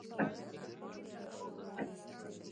هغه څه ترسره کړه چې علاقه ورسره لري .